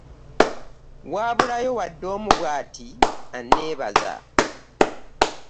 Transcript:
Waabulayo wadde omu bw'ati anneebaza.